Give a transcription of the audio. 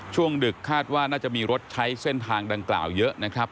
ดึกคาดว่าน่าจะมีรถใช้เส้นทางดังกล่าวเยอะนะครับ